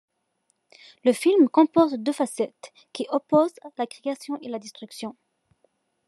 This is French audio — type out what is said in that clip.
Le film comporte deux facettes qui opposent la création et la destruction.